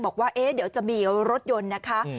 บอกว่าเดี๋ยวจะมีรถยนต์นะคะ